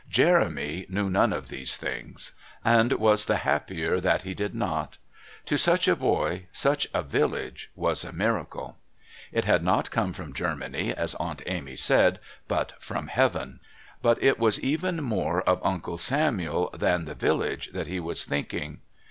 Jeremy knew none of these things, and was the happier that he did not. To such a boy such a village was a miracle.... It had not come from Germany, as Aunt Amy said, but from heaven. But it was even more of Uncle Samuel than the village that he was thinking.